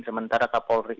sementara kapolri itu